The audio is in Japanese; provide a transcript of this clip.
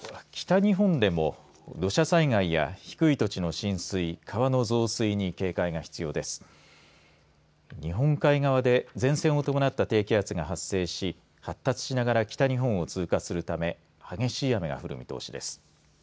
日本海側で前線を伴った低気圧が発生し発達しながら北日本を通過するため激しい雨が降る見通しです。